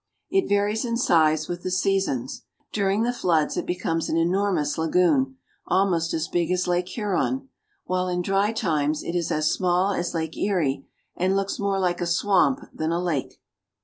It varies in size with the seasons. During the floods it becomes an enormous lagoon, almost as big as Lake Huron; while in dry times it is as small as Lake Erie and looks more like a swamp than a lake.